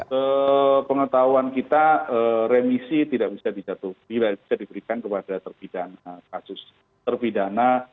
kepengetahuan kita remisi tidak bisa diberikan kepada kasus terpidana